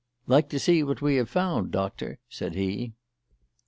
"Like to see what we have found, Doctor?" said he.